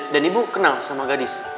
dan ibu kenal sama gadis